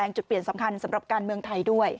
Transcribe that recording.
จุดเปลี่ยนสำคัญสำหรับการเมืองไทยด้วย